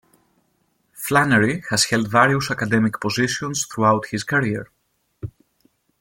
Flannery has held various academic positions throughout his career.